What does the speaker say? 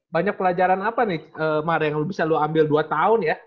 banyak pelajaran apa nih mar yang lu bisa lu ambil dua tahun ya